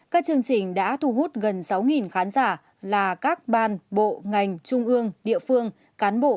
các chương trình đã thu hút gần sáu khán giả là các ban bộ ngành trung ương địa phương cán bộ